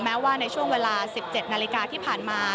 แม้ว่าในช่วงเวลา๑๗นาฬิกาที่ผ่านมา